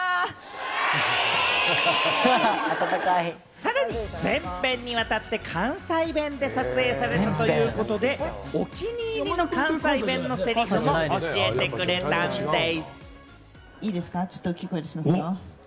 さらに、全編にわたって関西弁で撮影されたということで、お気に入りの関西弁のセリフも教えてくれたんでぃす。